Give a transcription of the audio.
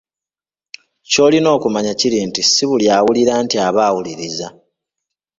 Ky'olina okumanya kiri nti si buli awulira nti aba awuliriza.